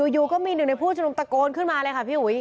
อยู่ก็มีหนึ่งในผู้ชมนุมตะโกนขึ้นมาเลยค่ะพี่อุ๋ย